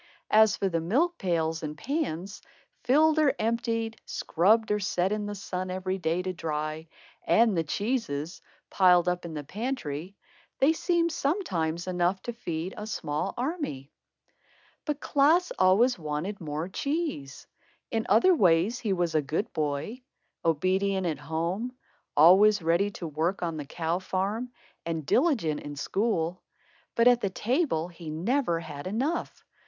As for the milk pails and pans, filled or emptied, scrubbed or set in the sun every day to dry, and the cheeses, piled up in the pantry, they seemed sometimes enough to feed a small army. But Klaas always wanted more cheese. In other ways, he was a good boy, obedient at home, always ready to work on the cow farm, and diligent in school. But at the table he never had enough.